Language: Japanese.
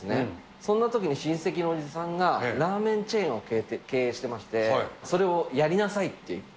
そんなときに親戚のおじさんが、ラーメンチェーンを経営してまして、それをやりなさいって言って。